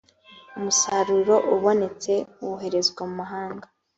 umusaruro ubonetse woherezwa mumahanga.